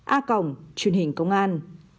a truyền hình công an